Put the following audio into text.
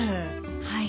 はい。